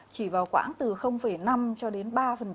chỉ vào khoảng từ năm cho đến ba